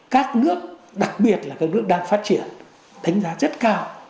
các nước đặc biệt là các nước đang phát triển đánh giá rất cao